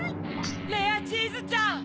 レアチーズちゃん！